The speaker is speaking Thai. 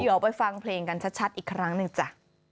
เดี๋ยวไปฟังเพลงกันชัดอีกครั้งหนึ่งจ้ะ